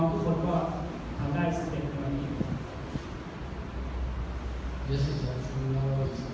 คุณคิดว่าเกินเท่าไหร่หรือไม่เกินเท่าไหร่